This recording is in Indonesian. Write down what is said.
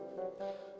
ada berita terpanas ji